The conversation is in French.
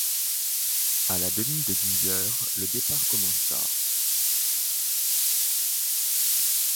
À la demie de dix heures, le départ commença.